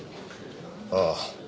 ああ。